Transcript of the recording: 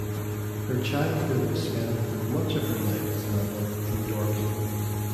Her childhood was spent and much of her life as an adult in Dorking.